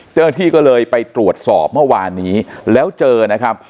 เจ้าหน้าที่ก็เลยไปตรวจสอบเมื่อวานนี้แล้วเจอนะครับ